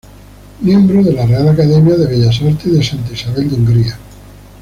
Miembro de la Real Academia de Bellas Artes de Santa Isabel de Hungría.